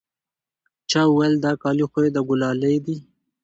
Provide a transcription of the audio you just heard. چا وويل دا کالي خو يې د ګلالي دي.